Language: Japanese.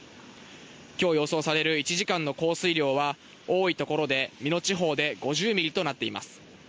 きょう予想される１時間の降水量は、多い所で美濃地方で５０ミリとなっています。